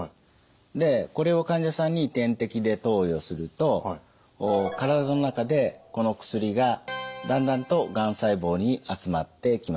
これを患者さんに点滴で投与すると体の中でこの薬がだんだんとがん細胞に集まってきます。